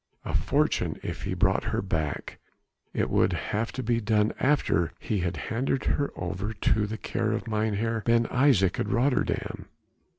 A fortune if he brought her back! It would have to be done after he had handed her over into the care of Mynheer Ben Isaje at Rotterdam.